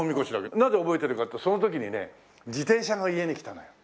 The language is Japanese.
なぜ覚えているかってその時にね自転車が家に来たのよ。